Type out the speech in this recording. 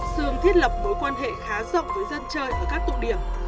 sương thiết lập mối quan hệ khá rộng với dân chơi ở các tụ điểm